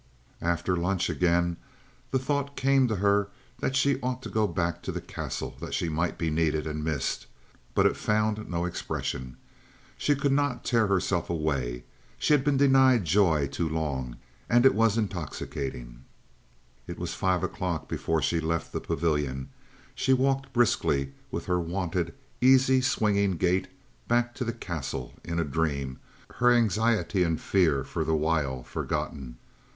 After lunch again the thought came to her that she ought to go back to the Castle, that she might be needed, and missed; but it found no expression. She could not tear herself away. She had been denied joy too long, and it was intoxicating. It was five o'clock before she left the Pavilion. She walked briskly, with her wonted, easy, swinging gait, back to the Castle, in a dream, her anxiety and fear for the while forgotten.